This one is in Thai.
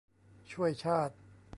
ช่วยชาติ !